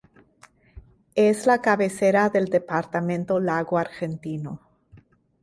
Es la cabecera del departamento Lago Argentino.